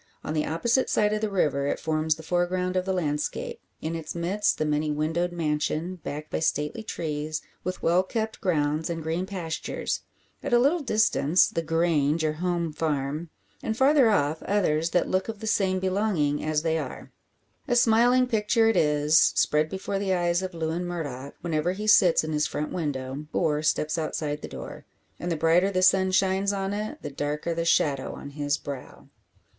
On the opposite side of the river it forms the foreground of the landscape; in its midst the many windowed mansion, backed by stately trees, with well kept grounds, and green pastures; at a little distance the "Grange," or home farm, and farther off others that look of the same belonging as they are. A smiling picture it is; spread before the eyes of Lewin Murdock, whenever he sits in his front window, or steps outside the door. And the brighter the sun shines on it, the darker the shadow on his brow!